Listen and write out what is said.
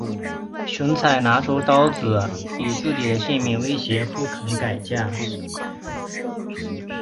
荀采拿出刀子以自己的性命威胁不肯改嫁。